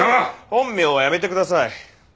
本名はやめてください。